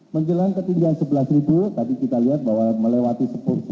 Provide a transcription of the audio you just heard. menjelang ketinggian sebelas tadi kita lihat bahwa melewati seporsi